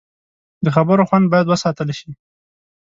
د خبرو خوند باید وساتل شي